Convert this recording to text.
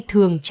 thường chỉ là